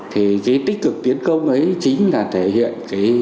thì cái tích cực tiến công ấy chính là thể hiện